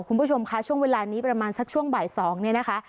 คุณผู้ชมคะช่วงเวลานี้ประมาณสักช่วงบ่าย๒เนี่ยนะคะ